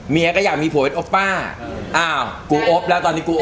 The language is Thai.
เมียก็อยากมีผัวเป็นโอปป้าอ้าวกูอบแล้วตอนนี้กูอบ